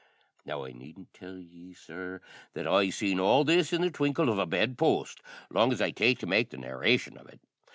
Now, I needn't tell ye, sir, that I seen all this in the twinkle of a bed post long as I take to make the narration of it.